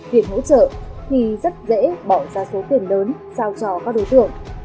tiền hỗ trợ thì rất dễ bỏ ra số tiền lớn sao cho các đối tượng